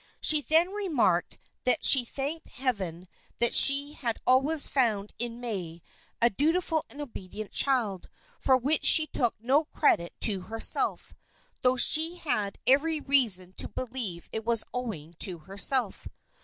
She then remarked that she thanked heaven that she had always found in May a dutiful and obedient child, for which she took no credit to herself, though she had every reason to believe it was owing to herself.